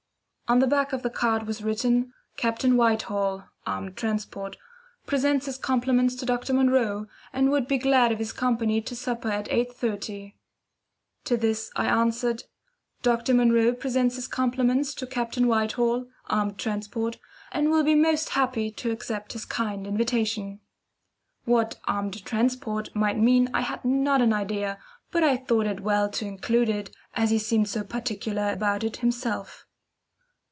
On the back of the card was written, "Captain Whitehall (Armed Transport) presents his compliments to Dr. Munro, and would be glad of his company to supper at 8.30." To this I answered, "Dr. Munro presents his compliments to Captain Whitehall (Armed Transport), and will be most happy to accept his kind invitation." What "Armed Transport" might mean I had not an idea, but I thought it well to include it, as he seemed so particular about it himself.